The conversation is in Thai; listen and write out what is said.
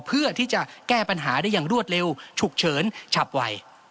เพื่อที่จะแก้ปัญหาได้อย่างรวดเร็วฉุกเฉินฉับไว